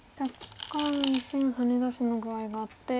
若干２線ハネ出しの具合があって。